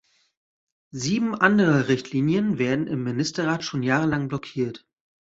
Sieben andere Richtlinien werden im Ministerrat schon jahrelang blockiert.